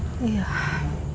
susah model kayak gini loh